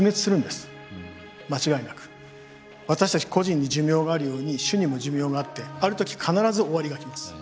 私たち個人に寿命があるように種にも寿命があってある時必ず終わりが来ます。